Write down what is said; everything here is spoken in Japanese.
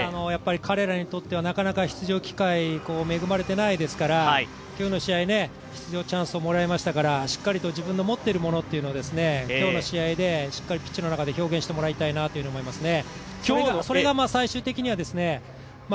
彼らにとっては出場機会にはなかなか恵まれていないですから今日の試合、出場チャンスをもらいましたからしっかりと自分の持っているものを今日の試合でしっかりピッチの中で表現してもらいたいなと思いますね。